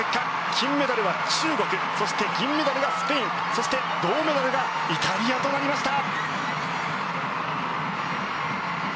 金メダルは中国そして銀メダルがスペインそして、銅メダルがイタリアとなりました。